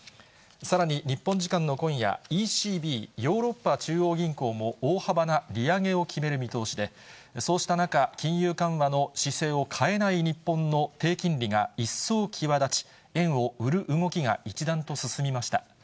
さらに日本時間の今夜、ＥＣＢ・ヨーロッパ中央銀行も、大幅な利上げを決める見通しで、そうした中、金融緩和の姿勢を変えない日本の低金利が一層際立ち、円を売る動きが一段と進みました。